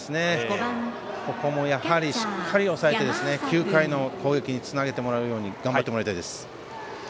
ここもしっかり抑えて９回の攻撃につなげてもらうように頑張ってもらいたいです。